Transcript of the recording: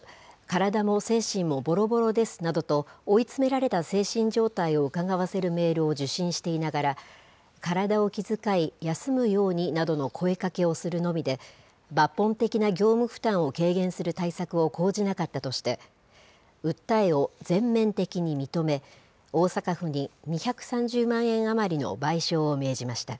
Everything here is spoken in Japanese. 体も精神もぼろぼろですなどと、追い詰められた精神状態をうかがわせるメールを受信していながら、体を気遣い、休むようになどの声かけをするのみで、抜本的な業務負担を軽減する対策を講じなかったとして、訴えを全面的に認め、大阪府に２３０万円余りの賠償を命じました。